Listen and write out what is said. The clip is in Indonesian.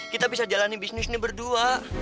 kita bisa jalani bisnis ini berdua